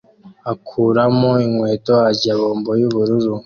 akuramo inkweto arya bombo yubururu